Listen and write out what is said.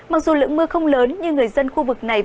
mặc dù lượng mưa không lớn nhưng người dân khu vực này